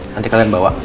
nanti kalian bawa